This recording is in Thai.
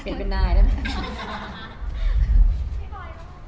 เปลี่ยนก็ได้นะ